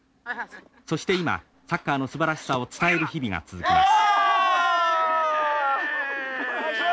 そして今サッカーのすばらしさを伝える日々が続きます。